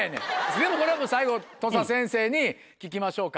でもこれはもう最後土佐先生に聞きましょうか。